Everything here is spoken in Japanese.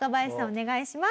お願いします。